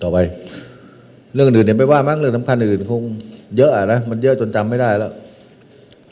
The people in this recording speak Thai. เรื่องอื่นเนี่ยไม่ว่ามั้งเรื่องสำคัญอื่นคงเยอะอ่ะนะมันเยอะจนจำไม่ได้แล้ว